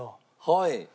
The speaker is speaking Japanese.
はい。